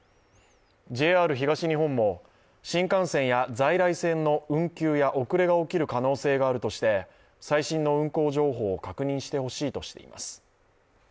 ＪＲ東日本も新幹線や在来線の運休や遅れが起きる可能性があるとして最新の運行情報を確認してほしいとしています。